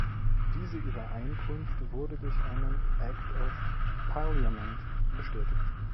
Diese Übereinkunft wurde durch einen Act of Parliament bestätigt.